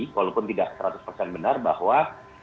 walaupun tidak seratus persen benar bahwa